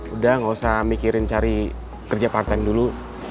udah gak usah mikirin cari kerja part time dulu